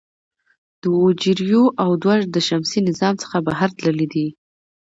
د وویجر یو او دوه د شمسي نظام څخه بهر تللي دي.